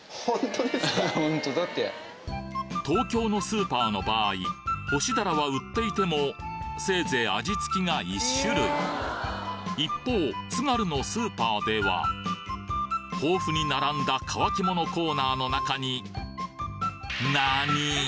東京のスーパーの場合干し鱈は売っていてもせいぜい一方津軽のスーパーでは豊富に並んだ乾き物コーナーの中になにぃ！？